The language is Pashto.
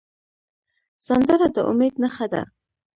سندره د امید نښه ده